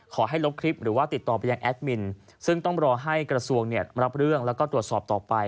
ขอให้ลบคลิปหรือว่าติดต่อไปยังแอดมินซึ่งต้องรอให้กระทรวงรับเรื่องแล้วก็ตรวจสอบต่อไป